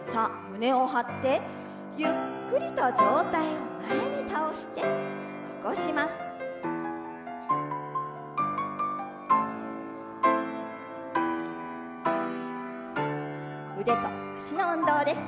胸を張ってゆっくりと状態を前に倒して起こします。